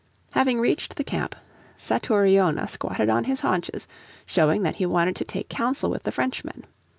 Having reached the camp Satouriona squatted on his haunches, showing that he wanted to take counsel with the Frenchmen.